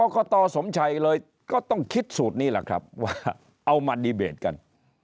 กตสมชัยเลยก็ต้องคิดสูตรนี้แหละครับว่าเอามาดีเบตกัน